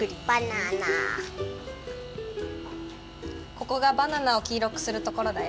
ここがバナナを黄色くするところだよ。